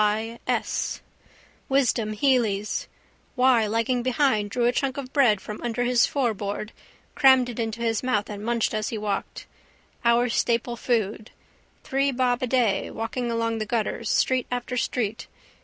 Y. S. Wisdom Hely's. Y lagging behind drew a chunk of bread from under his foreboard, crammed it into his mouth and munched as he walked. Our staple food. Three bob a day, walking along the gutters, street after street.